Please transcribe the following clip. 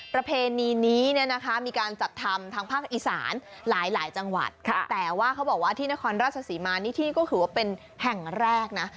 ประเพณีนี้เนี่ยนะคะมีการจัดทำทางภาคอีสานหลายจังหวัดแต่ว่าเขาบอกว่าที่นครราชศรีมานี่ที่ก็ถือว่าเป็นแห่งแรกนะ